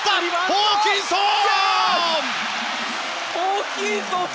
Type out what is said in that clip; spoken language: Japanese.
ホーキンソン！